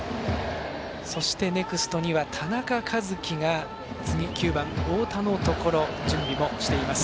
そして、ネクストには田中和基が次、９番太田のところで準備しています。